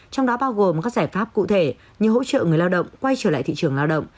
trong đó bao gồm các giải pháp cụ thể như hỗ trợ người lao động quay trở lại thị trường lao động